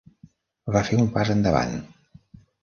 Va fer un pas endavant.